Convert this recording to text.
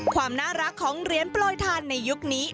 ความน่ารักของเหรียญโปรยทานในยุคนี้